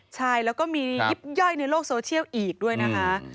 ใช่แล้วก็มียิบย่อยในโลกโซเชียลอีกด้วยนะคะ